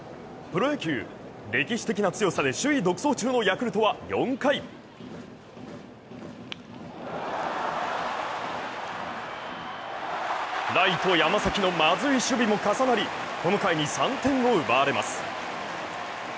プロ野球、歴史的な強さで首位独走中のヤクルトは４回、ライト・山崎のまずい守備も重なりこの回に３点を奪われます。